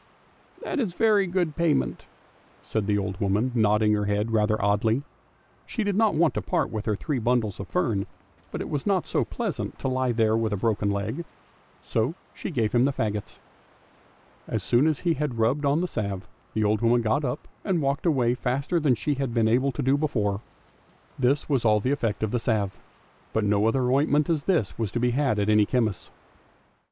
That is very good payment," said the old woman, nodding her head rather oddly ; she did not want to part with her three bundles of fern, but it was not so pleasant to he there with a broken leg, so she gave him the faggots. As soon as he had rubbed on the salve, the old woman got up and walked away faster than she had been able to do before. This was all the effect of the salve; but no such ointment as this was to be had at any chemist's.